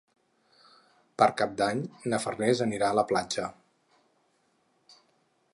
Per Cap d'Any na Farners anirà a la platja.